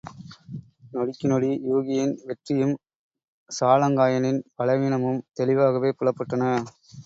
நொடிக்கு நொடி யூகியின் வெற்றியும் சாலங்காயனின் பலவீனமும் தெளிவாகவே புலப்பட்டன.